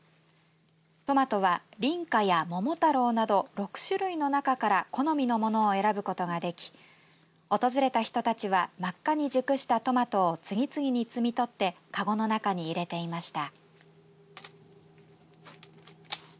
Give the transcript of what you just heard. トマトはりんかや桃太郎など６種類の中から好みのものを選ぶことができ訪れた人たちは真っ赤に熟したトマトを次々に摘み取ってかごの中に入れていました。